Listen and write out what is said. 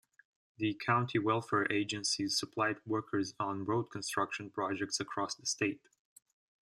The county welfare agencies supplied workers on road construction projects across the state.